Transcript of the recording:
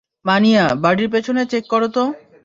মানিয়া, বাড়ির পিছনে চেক করো তো।